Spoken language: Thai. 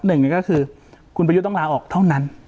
หนึ่งก็คือคุณประยุทธ์ต้องลาออกเท่านั้น